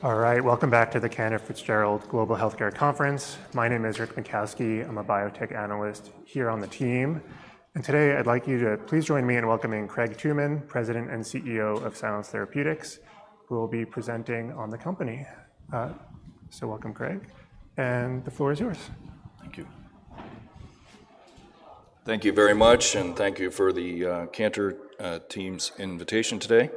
All right, welcome back to the Cantor Fitzgerald Global Healthcare Conference. My name is Rick Bienkowski. I'm a Biotech analyst here on the team, and today I'd like you to please join me in welcoming Craig Tooman, President and CEO of Silence Therapeutics, who will be presenting on the company. So welcome, Craig, and the floor is yours. Thank you. Thank you very much, and thank you for the Cantor team's invitation today.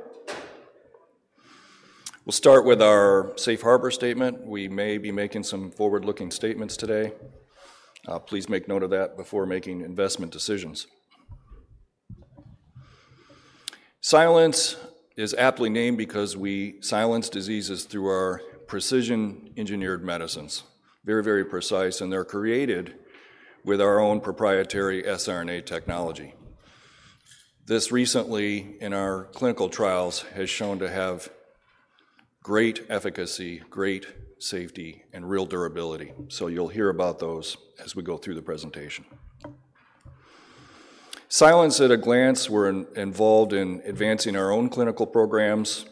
We'll start with our safe harbor statement. We may be making some forward-looking statements today. Please make note of that before making investment decisions. Silence is aptly named because we silence diseases through our precision engineered medicines. Very, very precise, and they're created with our own proprietary siRNA technology. This recently, in our clinical trials, has shown to have great efficacy, great safety, and real durability, so you'll hear about those as we go through the presentation. Silence at a glance, we're involved in advancing our own clinical programs.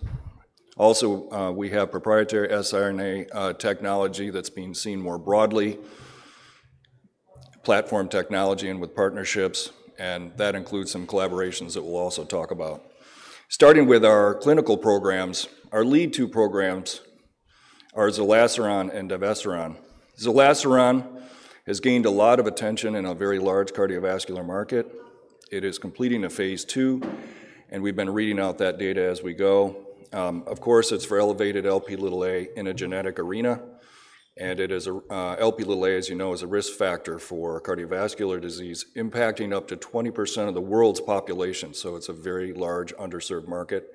Also, we have proprietary siRNA technology that's being seen more broadly, platform technology and with partnerships, and that includes some collaborations that we'll also talk about. Starting with our clinical programs, our lead two programs are zerlasiran and divesiran. Zerlasiran has gained a lot of attention in a very large cardiovascular market. It is completing a phase II, and we've been reading out that data as we go. Of course, it's for elevated Lp(a) in a genetic arena, and it is a Lp(a), as you know, is a risk factor for cardiovascular disease, impacting up to 20% of the world's population, so it's a very large, underserved market.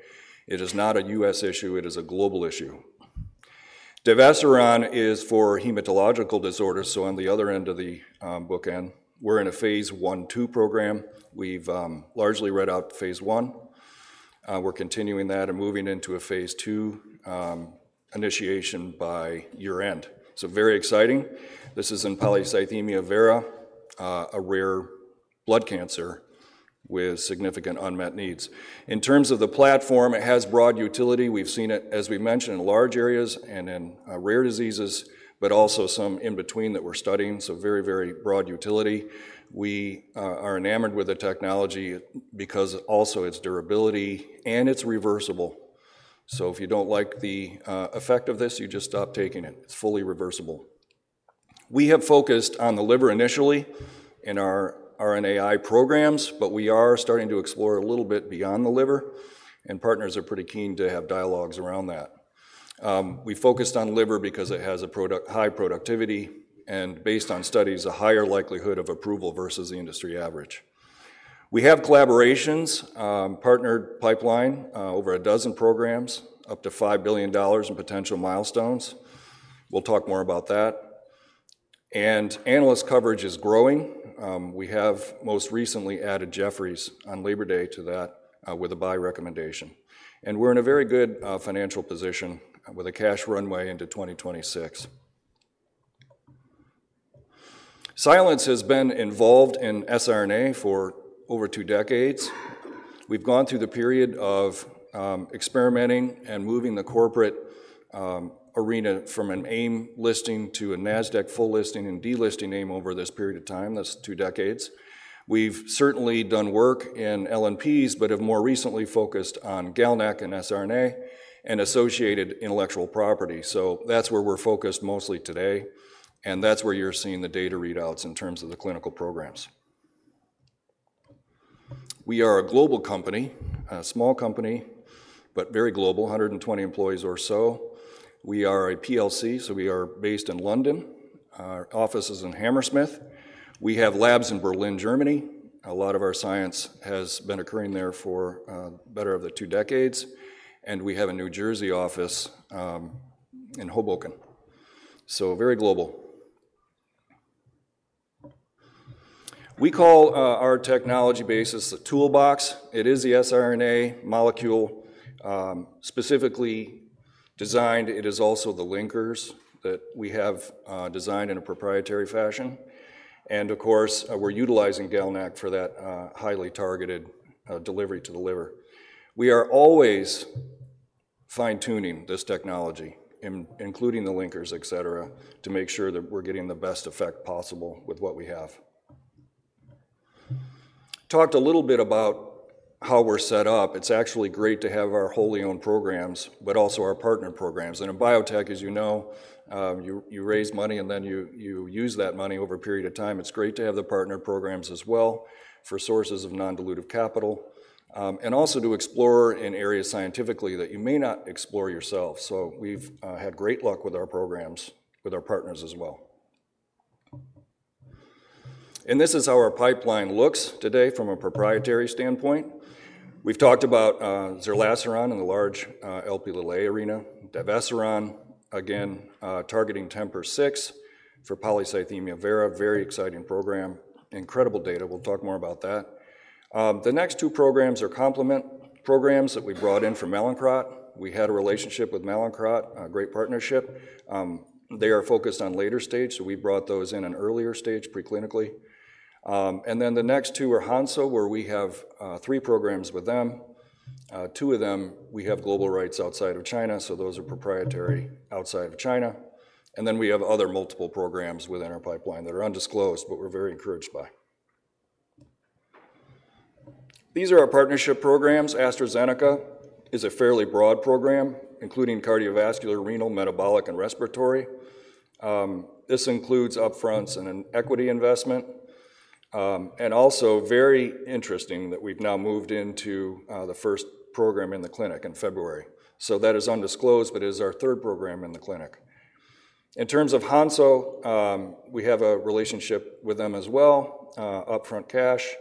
It is not a U.S. issue, it is a global issue. Divesiran is for hematological disorders, so on the other end of the bookend. We're in a phase I/II program. We've largely read out phase I. We're continuing that and moving into a phase II initiation by year-end. So very exciting. This is in polycythemia vera, a rare blood cancer with significant unmet needs. In terms of the platform, it has broad utility. We've seen it, as we've mentioned, in large areas and in rare diseases, but also some in between that we're studying, so very, very broad utility. We are enamored with the technology because also its durability, and it's reversible. So if you don't like the effect of this, you just stop taking it. It's fully reversible. We have focused on the liver initially in our RNAi programs, but we are starting to explore a little bit beyond the liver, and partners are pretty keen to have dialogues around that. We focused on liver because it has high productivity, and based on studies, a higher likelihood of approval versus the industry average. We have collaborations, partnered pipeline, over a dozen programs, up to $5 billion in potential milestones. We'll talk more about that. Analyst coverage is growing. We have most recently added Jefferies on Labor Day to that, with a buy recommendation. We're in a very good financial position, with a cash runway into 2026. Silence has been involved in siRNA for over two decades. We've gone through the period of experimenting and moving the corporate arena from an AIM listing to a NASDAQ full listing and delisting AIM over this period of time, that's two decades. We've certainly done work in LNPs, but have more recently focused on GalNAc and siRNA and associated intellectual property. So that's where we're focused mostly today, and that's where you're seeing the data readouts in terms of the clinical programs. We are a global company, a small company, but very global, 120 employees or so. We are a PLC, so we are based in London. Our office is in Hammersmith. We have labs in Berlin, Germany. A lot of our science has been occurring there for better part of two decades, and we have a New Jersey office in Hoboken, so very global. We call our technology basis the toolbox. It is the siRNA molecule specifically designed. It is also the linkers that we have designed in a proprietary fashion. And of course, we're utilizing GalNAc for that highly targeted delivery to the liver. We are always fine-tuning this technology, including the linkers, et cetera, to make sure that we're getting the best effect possible with what we have. Talked a little bit about how we're set up. It's actually great to have our wholly owned programs, but also our partner programs. In biotech, as you know, you raise money, and then you use that money over a period of time. It's great to have the partner programs as well for sources of non-dilutive capital, and also to explore in areas scientifically that you may not explore yourself. We've had great luck with our programs, with our partners as well. This is how our pipeline looks today from a proprietary standpoint. We've talked about zerlasiran in the large Lp(a) arena. Divesiran, again, targeting TMPRSS6 for polycythemia vera. Very exciting program, incredible data. We'll talk more about that. The next two programs are complement programs that we brought in from Mallinckrodt. We had a relationship with Mallinckrodt, a great partnership. They are focused on later stage, so we brought those in an earlier stage, preclinically. And then the next two are Hansoh, where we have three programs with them. Two of them, we have global rights outside of China, so those are proprietary outside of China. And then we have other multiple programs within our pipeline that are undisclosed, but we're very encouraged by. These are our partnership programs. AstraZeneca is a fairly broad program, including cardiovascular, renal, metabolic, and respiratory. This includes upfronts and an equity investment. And also very interesting that we've now moved into the first program in the clinic in February. So that is undisclosed, but it is our third program in the clinic. In terms of Hansoh, we have a relationship with them as well, upfront cash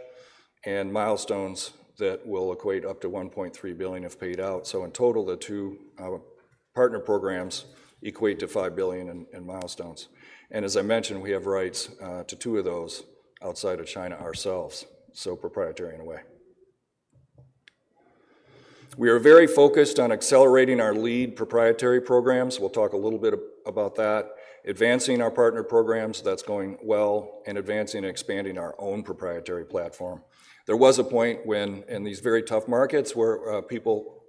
and milestones that will equate up to $1.3 billion if paid out. So in total, the two partner programs equate to $5 billion in milestones. And as I mentioned, we have rights to two of those outside of China ourselves, so proprietary in a way. We are very focused on accelerating our lead proprietary programs. We'll talk a little bit about that. Advancing our partner programs, that's going well, and advancing and expanding our own proprietary platform. There was a point when, in these very tough markets, where people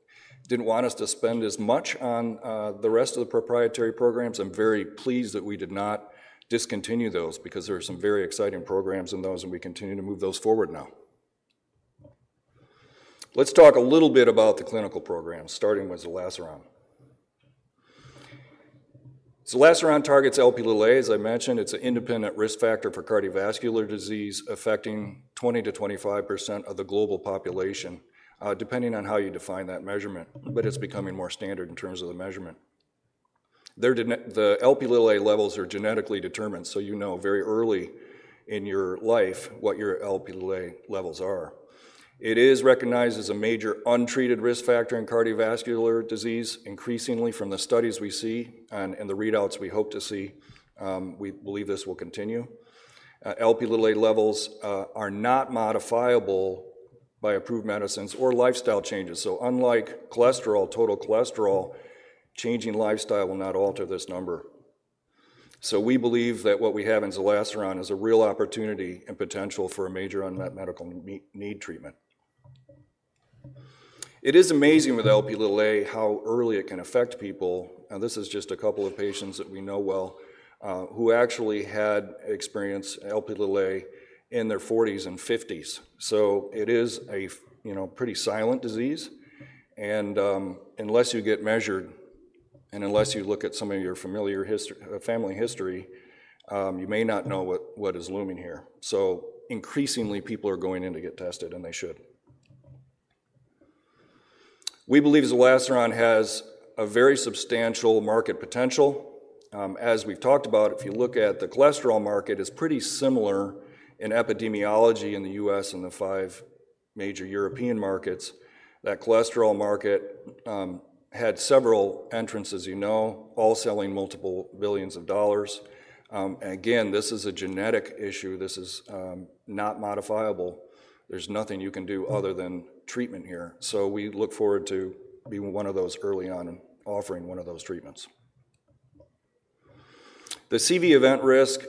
didn't want us to spend as much on the rest of the proprietary programs. I'm very pleased that we did not discontinue those, because there are some very exciting programs in those, and we continue to move those forward now. Let's talk a little bit about the clinical program, starting with the zerlasiran. So the zerlasiran targets Lp(a). As I mentioned, it's an independent risk factor for cardiovascular disease, affecting 20-25% of the global population, depending on how you define that measurement, but it's becoming more standard in terms of the measurement. The Lp levels are genetically determined, so you know very early in your life what your Lp levels are. It is recognized as a major untreated risk factor in cardiovascular disease. Increasingly from the studies we see and the readouts we hope to see, we believe this will continue. Lp levels are not modifiable by approved medicines or lifestyle changes. So unlike cholesterol, total cholesterol, changing lifestyle will not alter this number. So we believe that what we have in zerlasiran is a real opportunity and potential for a major unmet medical need treatment. It is amazing with Lp how early it can affect people, and this is just a couple of patients that we know well, who actually had experienced Lp in their forties and fifties. So it is a you know, pretty silent disease, and unless you get measured, and unless you look at some of your family history, you may not know what is looming here. So increasingly, people are going in to get tested, and they should. We believe zerlasiran has a very substantial market potential. As we've talked about, if you look at the cholesterol market, it's pretty similar in epidemiology in the US and the five major European markets. That cholesterol market had several entrants, you know, all selling multiple billions of dollars. And again, this is a genetic issue. This is not modifiable. There's nothing you can do other than treatment here, so we look forward to being one of those early on and offering one of those treatments. The CV event risk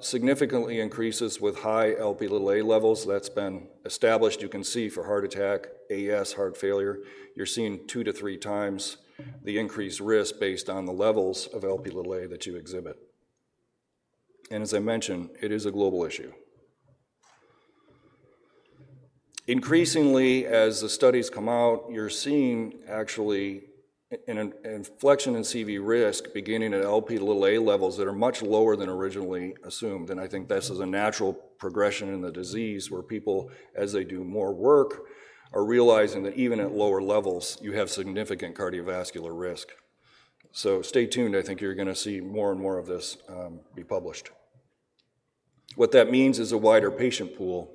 significantly increases with high Lp levels. That's been established. You can see for heart attack, and heart failure, you're seeing 2-3x the increased risk based on the levels of Lp that you exhibit, and as I mentioned, it is a global issue. Increasingly, as the studies come out, you're seeing actually an inflection in CV risk, beginning at Lp levels that are much lower than originally assumed, and I think this is a natural progression in the disease, where people, as they do more work, are realizing that even at lower levels, you have significant cardiovascular risk, so stay tuned. I think you're gonna see more and more of this be published. What that means is a wider patient pool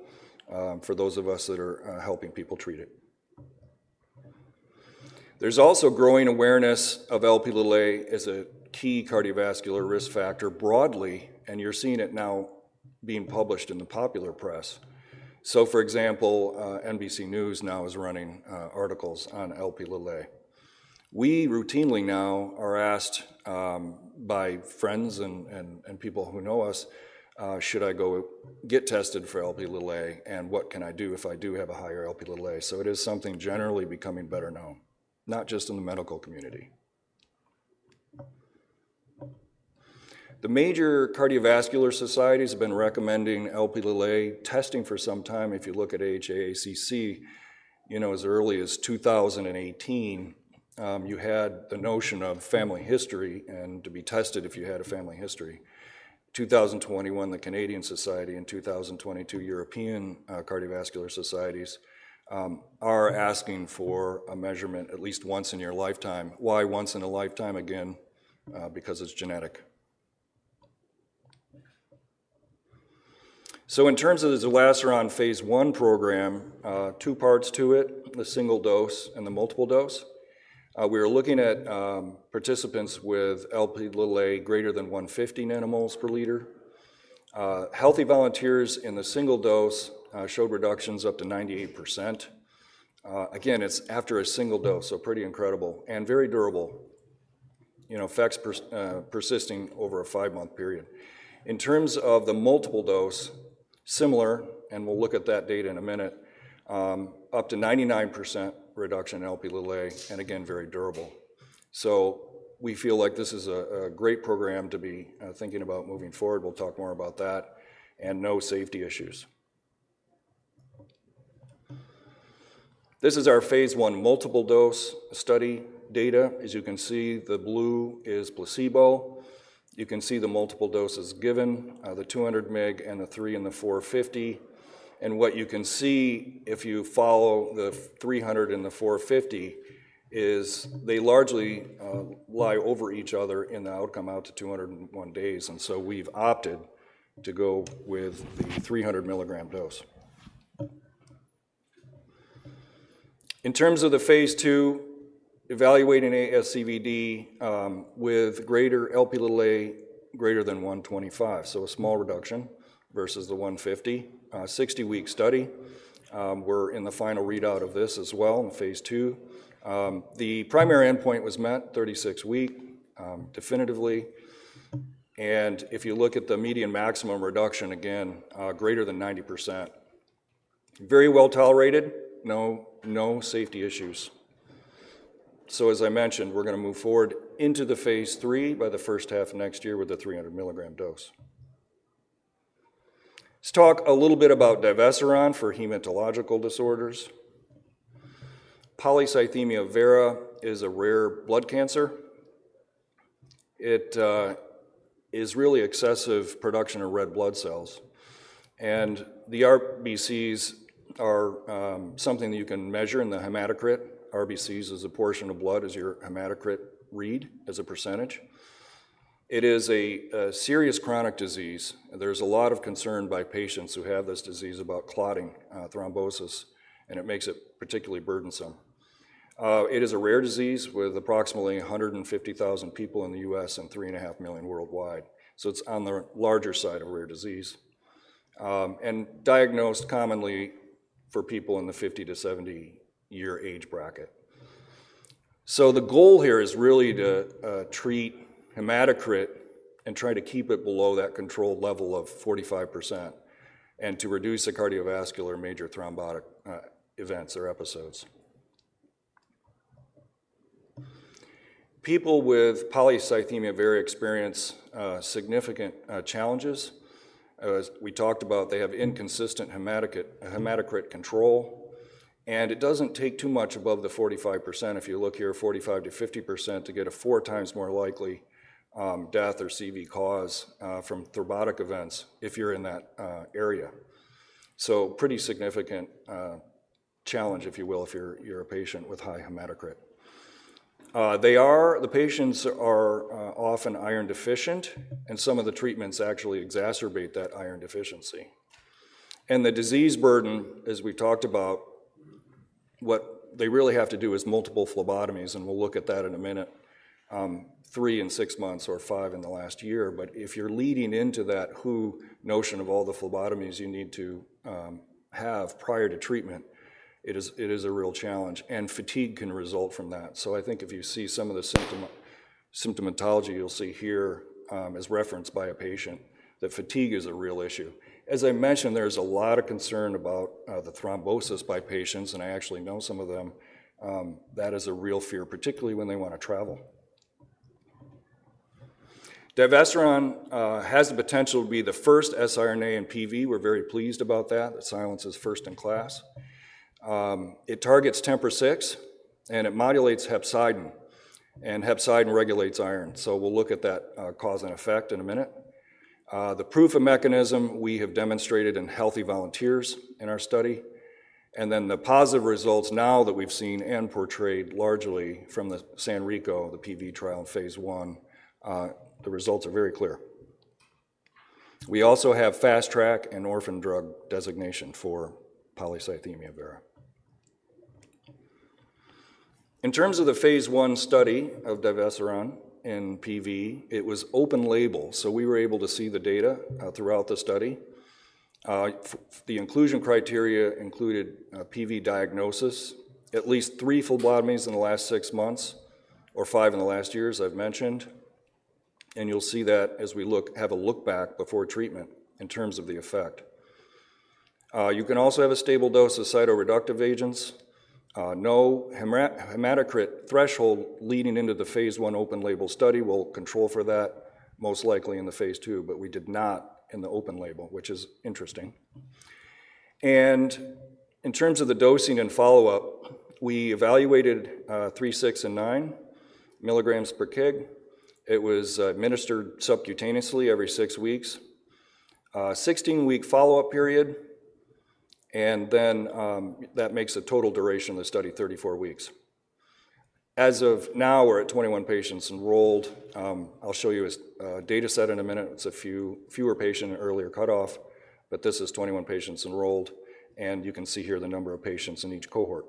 for those of us that are helping people treat it. There's also growing awareness of Lp as a key cardiovascular risk factor broadly, and you're seeing it now being published in the popular press. So for example, NBC News now is running articles on Lp. We routinely now are asked by friends and people who know us, "Should I go get tested for Lp, and what can I do if I do have a higher Lp?" So it is something generally becoming better known, not just in the medical community. The major cardiovascular societies have been recommending Lp testing for some time. If you look at AHA/ACC, you know, as early as two thousand and eighteen, you had the notion of family history and to be tested if you had a family history. 2021, the Canadian Society, in 2022, European Cardiovascular Societies, are asking for a measurement at least once in your lifetime. Why once in a lifetime? Again, because it's genetic. So in terms of the zerlasiran phase I program, two parts to it, the single dose and the multiple dose. We are looking at participants with Lp greater than 150 nanomoles per liter. Healthy volunteers in the single dose showed reductions up to 98%. Again, it's after a single dose, so pretty incredible, and very durable. You know, effects persisting over a five-month period. In terms of the multiple dose, similar, and we'll look at that data in a minute, up to 99% reduction in Lp(a), and again, very durable. So we feel like this is a great program to be thinking about moving forward. We'll talk more about that, and no safety issues. This is our phase I multiple dose study data. As you can see, the blue is placebo. You can see the multiple doses given, the 200 mg and the 300 and the 450. What you can see, if you follow the 300 and the 450, is they largely lie over each other in the outcome out to 201 days, and so we've opted to go with the 300 milligram dose. In terms of the phase II, evaluating ASCVD, with Lp(a) greater than 125, so a small reduction versus the 150, 60-week study. We're in the final readout of this as well in phase II. The primary endpoint was met 36-week, definitively, and if you look at the median maximum reduction, again, greater than 90%. Very well tolerated, no safety issues. So as I mentioned, we're gonna move forward into the phase III by the first half of next year with a 300 milligram dose. Let's talk a little bit about divesiran for hematological disorders. Polycythemia vera is a rare blood cancer. It is really excessive production of red blood cells, and the RBCs are something that you can measure in the hematocrit. RBCs is a portion of blood, is your hematocrit read as a percentage. It is a serious chronic disease. There's a lot of concern by patients who have this disease about clotting, thrombosis, and it makes it particularly burdensome. It is a rare disease with approximately 150,000 people in the U.S. and 3.5 million worldwide, so it's on the larger side of rare disease. And diagnosed commonly for people in the 50-70 year age bracket. So the goal here is really to treat hematocrit and try to keep it below that controlled level of 45% and to reduce the cardiovascular major thrombotic events or episodes. People with polycythemia vera experience significant challenges. As we talked about, they have inconsistent hematocrit control, and it doesn't take too much above the 45%. If you look here, 45%-50% to get 4x more likely death or CV cause from thrombotic events if you're in that area. So pretty significant challenge, if you will, if you're a patient with high hematocrit. The patients are often iron deficient, and some of the treatments actually exacerbate that iron deficiency. And the disease burden, as we talked about, what they really have to do is multiple phlebotomies, and we'll look at that in a minute, three in six months or five in the last year. But if you're leading into that whole notion of all the phlebotomies you need to have prior to treatment, it is a real challenge, and fatigue can result from that. So I think if you see some of the symptom, symptomatology, you'll see here, as referenced by a patient, that fatigue is a real issue. As I mentioned, there's a lot of concern about the thrombosis by patients, and I actually know some of them. That is a real fear, particularly when they wanna travel. Divesiran has the potential to be the first siRNA in PV. We're very pleased about that, that Silence is first in class. It targets TMPRSS6, and it modulates hepcidin, and hepcidin regulates iron. So we'll look at that, cause and effect in a minute. The proof of mechanism we have demonstrated in healthy volunteers in our study, and then the positive results now that we've seen and portrayed largely from the San Diego, the PV trial phase I, the results are very clear. We also have fast-track and orphan drug designation for polycythemia vera. In terms of the phase I study of divesiran in PV, it was open label, so we were able to see the data throughout the study. The inclusion criteria included a PV diagnosis, at least three phlebotomies in the last six months or five in the last years, I've mentioned, and you'll see that as we look back before treatment in terms of the effect. You can also have a stable dose of cytoreductive agents, no hematocrit threshold leading into the phase I open label study. We'll control for that most likely in the phase II, but we did not in the open label, which is interesting. In terms of the dosing and follow-up, we evaluated 3, 6, and 9 milligrams per kg. It was administered subcutaneously every six weeks, sixteen-week follow-up period, and then, that makes a total duration of the study 34 weeks. As of now, we're at 21 patients enrolled. I'll show you a data set in a minute. It's a few fewer patients, earlier cutoff, but this is 21 patients enrolled, and you can see here the number of patients in each cohort.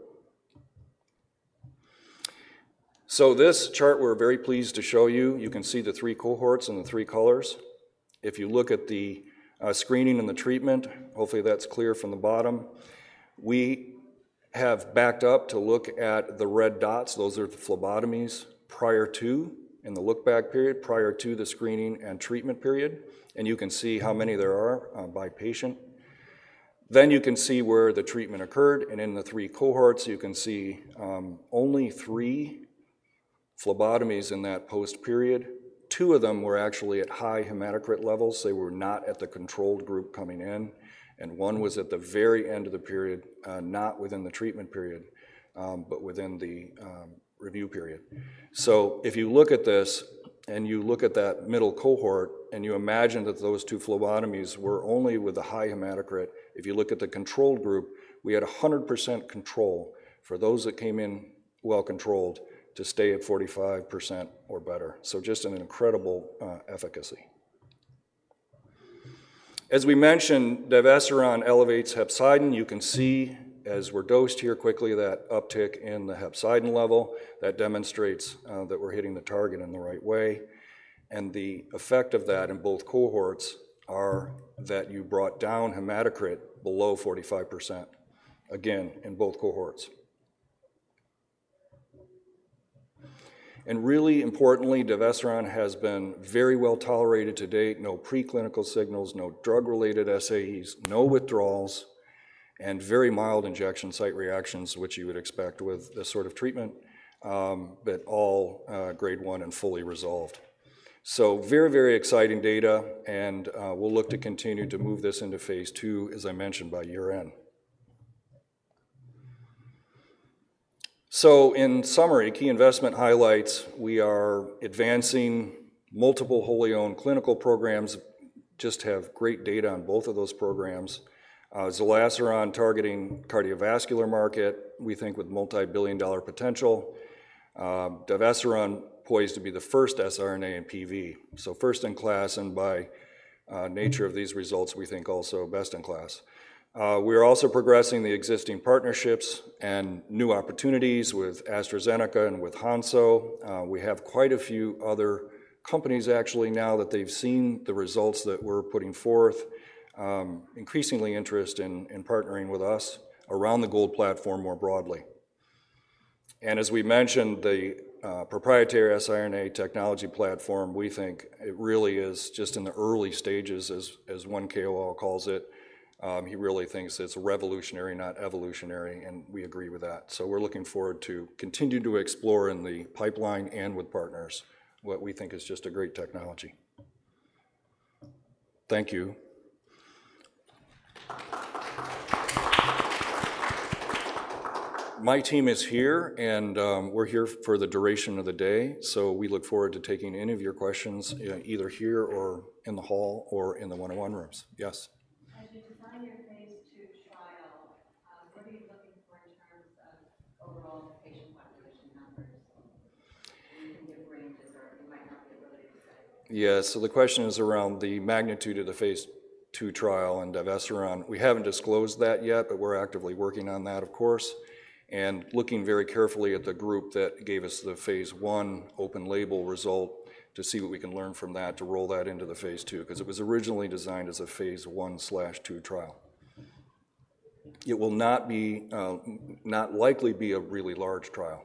So this chart, we're very pleased to show you. You can see the three cohorts and the three colors. If you look at the screening and the treatment, hopefully, that's clear from the bottom. We have backed up to look at the red dots. Those are the phlebotomies prior to, in the look-back period, prior to the screening and treatment period, and you can see how many there are by patient. Then you can see where the treatment occurred, and in the three cohorts, you can see only three phlebotomies in that post period. Two of them were actually at high hematocrit levels. They were not at the controlled group coming in, and one was at the very end of the period, not within the treatment period, but within the review period. So if you look at this, and you look at that middle cohort, and you imagine that those two phlebotomies were only with a high hematocrit, if you look at the control group, we had 100% control for those that came in well-controlled to stay at 45% or better. So just an incredible efficacy. As we mentioned, divesiran elevates hepcidin. You can see, as we're dosed here quickly, that uptick in the hepcidin level, that demonstrates that we're hitting the target in the right way. And the effect of that in both cohorts are that you brought down hematocrit below 45%, again, in both cohorts. And really importantly, divesiran has been very well-tolerated to date. No preclinical signals, no drug-related SAEs, no withdrawals, and very mild injection site reactions, which you would expect with this sort of treatment, but all grade one and fully resolved. So very, very exciting data, and we'll look to continue to move this into phase II, as I mentioned, by year-end. So in summary, key investment highlights, we are advancing multiple wholly owned clinical programs, just have great data on both of those programs. Zerlasiran targeting cardiovascular market, we think with multi-billion dollar potential. Divesiran poised to be the first siRNA in PV, so first-in-class, and by nature of these results, we think also best-in-class. We are also progressing the existing partnerships and new opportunities with AstraZeneca and with Hansoh. We have quite a few other companies actually, now that they've seen the results that we're putting forth, increasing interest in partnering with us around the GOLD platform more broadly. And as we mentioned, the proprietary siRNA technology platform, we think it really is just in the early stages as one KOL calls it. He really thinks it's revolutionary, not evolutionary, and we agree with that. So we're looking forward to continuing to explore in the pipeline and with partners, what we think is just a great technology. Thank you. My team is here, and, we're here for the duration of the day, so we look forward to taking any of your questions, either here or in the hall or in the one-on-one rooms. Yes? As you design your phase II trial, what are you looking for in terms of overall patient population numbers? In different ranges, or you might not be able to say. Yeah. So the question is around the magnitude of the phase II trial in divesiran. We haven't disclosed that yet, but we're actively working on that, of course, and looking very carefully at the group that gave us the phase I open label result to see what we can learn from that to roll that into the phase II, because it was originally designed as a Phase I/II trial. It will not be, not likely be a really large trial.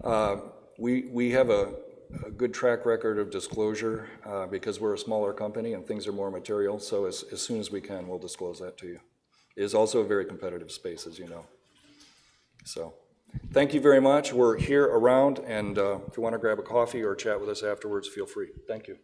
Will you disclose it by the third quarter, or any year end, or are you waiting more? We have a good track record of disclosure because we're a smaller company and things are more material, so as soon as we can, we'll disclose that to you. It is also a very competitive space, as you know. So thank you very much. We're here around, and if you want to grab a coffee or chat with us afterwards, feel free. Thank you.